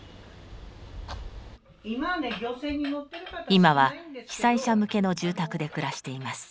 今は被災者向けの住宅で暮らしています。